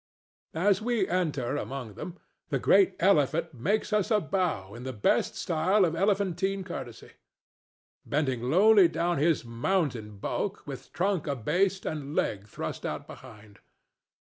As we enter among them the great elephant makes us a bow in the best style of elephantine courtesy, bending lowly down his mountain bulk, with trunk abased and leg thrust out behind.